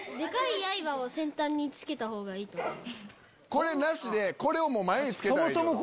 これなしでこれをもう前につけたらいいってこと。